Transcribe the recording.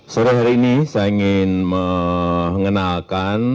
sore hari ini saya ingin mengenalkan